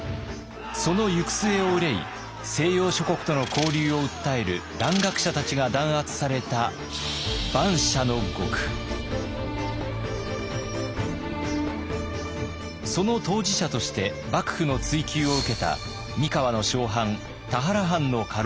その行く末を憂い西洋諸国との交流を訴える蘭学者たちが弾圧されたその当事者として幕府の追及を受けた三河の小藩田原藩の家老。